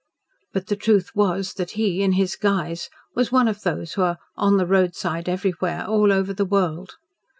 But the truth was that he, in his guise was one of those who are "on the roadside everywhere all over the world."